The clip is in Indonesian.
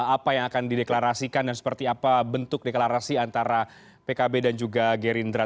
apa yang akan dideklarasikan dan seperti apa bentuk deklarasi antara pkb dan juga gerindra